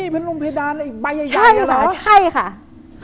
พันลมเพดานอะไรอีกมั๊ย